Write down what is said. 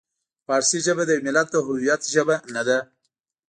فارسي ژبه د یوه ملت د هویت ژبه نه ده.